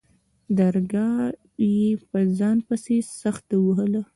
درگاه يې په ځان پسې سخته ووهله.